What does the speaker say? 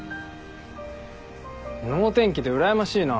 能天気でうらやましいな。